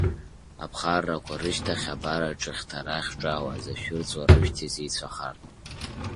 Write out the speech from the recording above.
Аԥхарақәа рышьҭахь, абар аҿыхьҭара ахьаҿалаз, ашәырҵла рышәҭ иазеицәахартә.